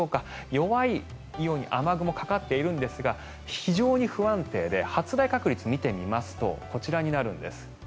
弱い雨雲がかかっているんですが非常に不安定で発雷確率を見てみますとこちらになるんです。